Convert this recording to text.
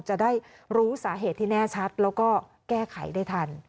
จะได้รู้สาเหตุที่แน่ชัดแล้วก็แก้ไขได้ทัน